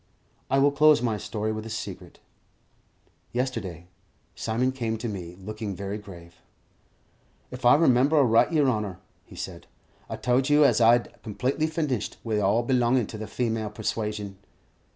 I will close my story with a secret. Yesterday, Simon came to me, looking very grave. "If I remember aright, yer honour," he said, "I told you as 'ow I'd completely finished wi' all belongin' to the female persuasion."